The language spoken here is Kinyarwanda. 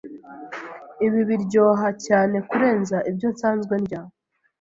Ibi biryoha cyane kurenza ibyo nsanzwe ndya.